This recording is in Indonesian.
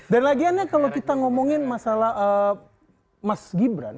dan lagiannya kalau kita ngomongin masalah mas gibran